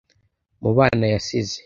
Mu bana yasize